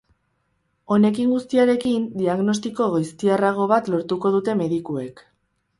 Honekin guztiarekin, diagnostiko goiztiarrago bat lortuko dute medikuek.